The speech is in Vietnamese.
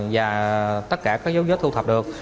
và tất cả các dấu vết thu thập được